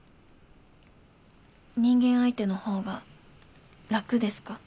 人間相手の方が楽ですか？